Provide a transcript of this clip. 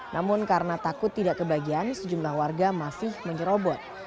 namun karena takut tidak kebagian sejumlah warga masih menyerobot